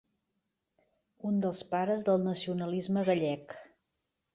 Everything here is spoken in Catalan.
Un dels pares del nacionalisme gallec.